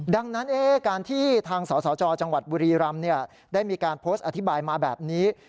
ดังนั้นการที่ทางสสจจังหวัดบุรีรำได้มีการโพสต์อธิบายมาแบบนี้